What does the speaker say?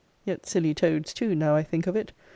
Yet, silly toads too, now I think of it.